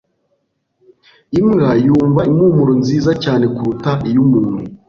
Imbwa yumva impumuro nziza cyane kuruta iyumuntu.